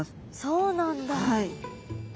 そうなんだ！